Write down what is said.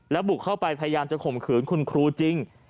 บุกเข้าไปพยายามจะข่มขืนคุณครูจริง